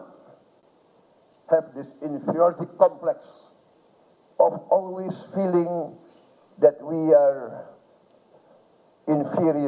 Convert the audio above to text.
selalu merasa kita kekurangan